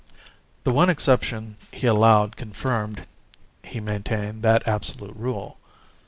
The one exception he allowed confirmed, he maintained, that absolute rule.